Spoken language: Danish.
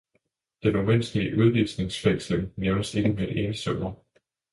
Den umenneskelige udvisningsfængsling nævnes ikke med et eneste ord.